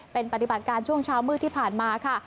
เป็นปฏิบัติการช่วงเช้ามืดที่ผ่านมาค่ะ